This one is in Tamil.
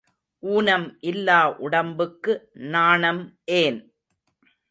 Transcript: ஊனம் இல்லா உடம்புக்கு நாணம் ஏன்?